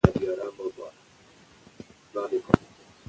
اجازه اخیستل د انګریزانو او مهاراجا څخه ضروري دي.